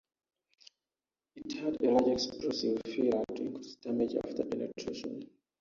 It had a large explosive filler to increase damage after penetration.